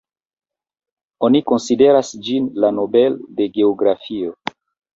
Oni konsideras ĝin la Nobel de geografio.